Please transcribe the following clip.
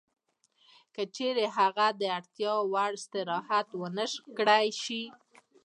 که چېرې هغه د اړتیا وړ استراحت ونه کړای شي